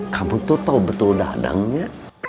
kamu tuh tahu betul dadangnya